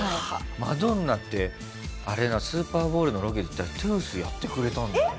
マドンナってスーパーボウルのロケで行ったらトゥースやってくれたんだよね。